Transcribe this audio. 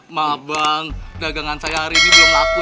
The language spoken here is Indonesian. maaf bang dagangan saya hari ini belum laku